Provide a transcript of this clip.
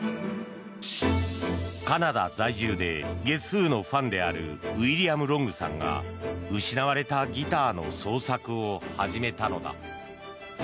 カナダ在住でゲス・フーのファンであるウィリアム・ロングさんが失われたギターの捜索を始めたのだ。